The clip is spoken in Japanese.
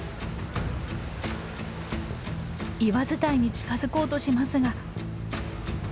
岩伝いに近づこうとしますが。